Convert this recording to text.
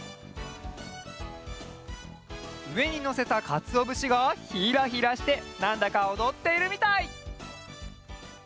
うえにのせたかつおぶしがひらひらしてなんだかおどっているみたい！